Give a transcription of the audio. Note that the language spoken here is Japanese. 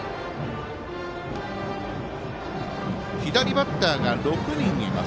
左バッターが６人もいます